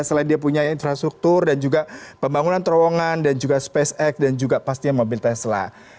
selain dia punya infrastruktur dan juga pembangunan terowongan dan juga spacex dan juga pastinya mobil tesla